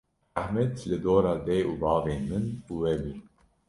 rehmet li gora dê û bavên min û we bû